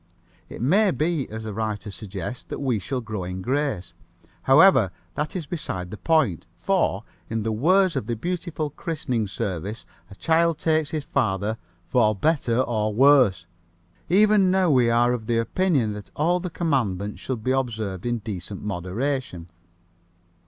It may be, as the writer suggests, that we shall grow in grace. However, that is beside the point, for, in the words of the beautiful christening service, a child takes his father "for better or worse." Even now we are of the opinion that all the Commandments should be observed in decent moderation.